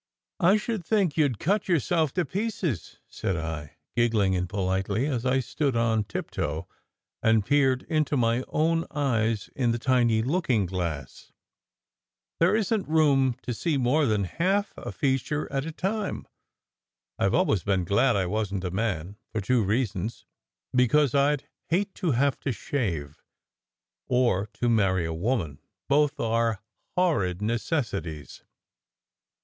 "I should think you d cut yourself to pieces,* said I, giggling impolitely as I stood on tiptoe, and peered into my own eyes in the tiny looking glass. "There isn t room to see more than half a feature at a time. I ve always been glad I wasn t a man, for two reasons: because I d hate to have to shave, or to marry a woman. Both are horrid necessities."